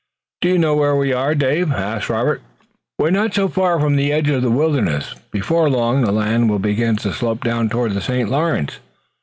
"Do you know where we are, Dave?" asked Robert. "We're not so far from the edge of the wilderness. Before long the land will begin to slope down toward the St. Lawrence.